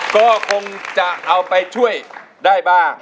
ก็คงจะเอาไปช่วยได้บ้าง